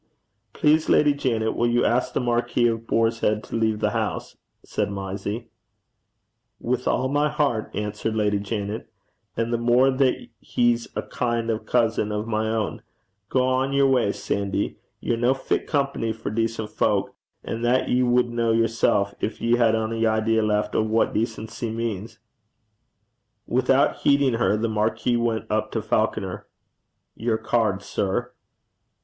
'Please, Lady Janet, will you ask the Marquis of Boarshead to leave the house,' said Mysie. 'With all my hert,' answered Lady Janet; 'and the mair that he's a kin' o' a cousin o' my ain. Gang yer wa's, Sandy. Ye're no fit company for decent fowk; an' that ye wad ken yersel', gin ye had ony idea left o' what decency means.' Without heeding her, the marquis went up to Falconer. 'Your card, sir.'